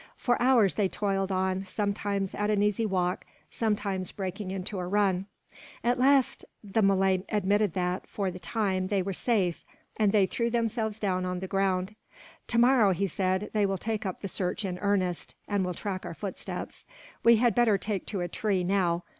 For hours they toiled on, sometimes at an easy walk, sometimes breaking into a run. At last the Malay admitted that, for the time, they were safe; and they threw themselves down upon the ground. "Tomorrow," he said, "they will take up the search in earnest, and will track our footsteps. We had better take to a tree, now.